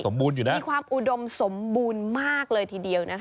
มีความอุดมสมบูรณ์มากเลยทีเดียว